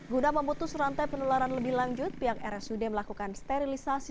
guna memutus rantai penularan lebih lanjut pihak rsud melakukan sterilisasi